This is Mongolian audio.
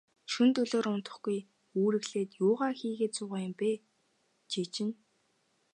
Шөнө дөлөөр унтахгүй, үүрэглээд юугаа хийгээд суугаа юм бэ, чи чинь.